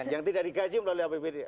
yang tidak digaji melalui apbd